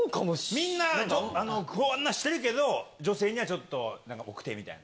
みんな、こんなしてるけど、女性にはちょっと、なんか奥手みたいな。